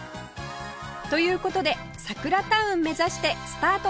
という事でサクラタウン目指してスタートです